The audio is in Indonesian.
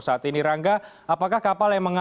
saat ini rangga apakah kapal yang